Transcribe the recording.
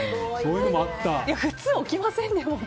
普通、起きません？